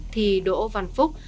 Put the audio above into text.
thì đỗ văn phúc